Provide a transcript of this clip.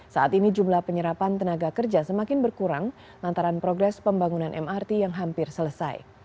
saat ini jumlah penyerapan tenaga kerja semakin berkurang lantaran progres pembangunan mrt yang hampir selesai